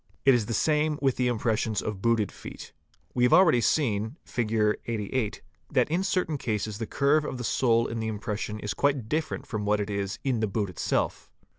It is the same with the impressions of booted feet. We have already seen (Fig. 88) that in certain cases the curve of the sole in the impression is quite different from what it is in the boot itself.